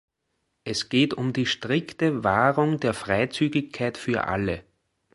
Es geht um die strikte Wahrung der Freizügigkeit für alle.